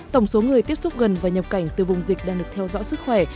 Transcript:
tổng số người tiếp xúc gần và nhập cảnh từ vùng dịch đang được theo dõi sức khỏe